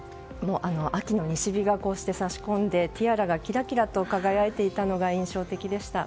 秋の西日が差し込んでティアラがキラキラと輝いていたのが印象的でした。